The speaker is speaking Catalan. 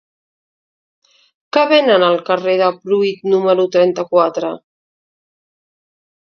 Què venen al carrer de Pruit número trenta-quatre?